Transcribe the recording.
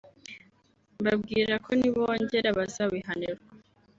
mbabwira ko nibongera bazabihanirwa